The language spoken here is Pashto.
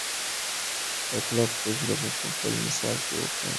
کلک خج دې په بل مثال کې وکاروئ.